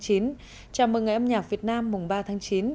chào mừng ngày âm nhạc việt nam mùng ba tháng chín